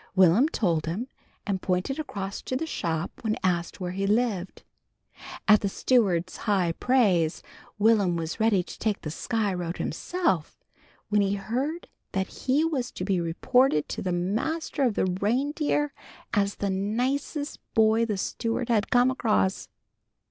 Will'm told him and pointed across to the shop, when asked where he lived. At the steward's high praise Will'm was ready to take the Sky Road himself, when he heard that he was to be reported to the Master of the Reindeer as the nicest boy the steward had come across.